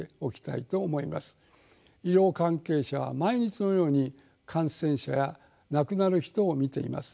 医療関係者は毎日のように感染者や亡くなる人を見ています。